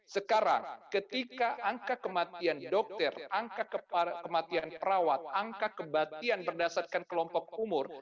sekarang ketika angka kematian dokter angka kematian perawat angka kebatian berdasarkan kelompok umur